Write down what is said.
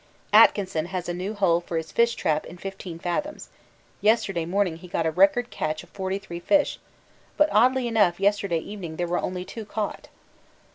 Atkinson has a new hole for his fish trap in 15 fathoms; yesterday morning he got a record catch of forty three fish, but oddly enough yesterday evening there were only two caught.